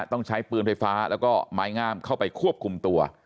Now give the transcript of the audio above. ต้องใช้ปืนไฟฟ้าแล้วก็ไม้งามเข้าไปควบคุมตัว